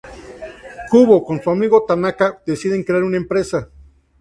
Kubo junto a su amigo Tanaka, deciden crear una empresa.